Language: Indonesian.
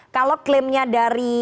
kalau klaimnya dari